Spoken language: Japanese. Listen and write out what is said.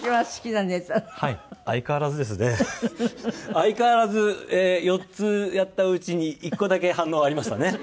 相変わらず４つやったうちの１個だけ反応ありましたね。